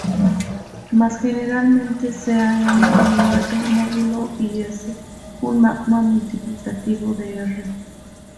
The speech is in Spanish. Más generalmente, sea "M" un "R"-módulo y "S" un magma multiplicativo de "R".